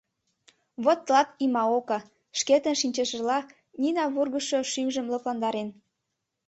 Вот тылат и Маока...» — шкетын шинчышыжла Нина вургыжшо шӱмжым лыпландарен.